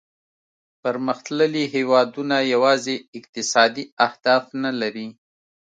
پرمختللي هیوادونه یوازې اقتصادي اهداف نه لري